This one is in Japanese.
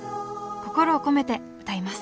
心を込めて歌います！